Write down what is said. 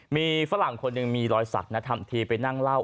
มีฝรั่งคนหนึ่งมีรอยสักนะทำทีไปนั่งเล่า